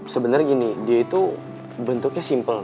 sebenarnya gini dia itu bentuknya simple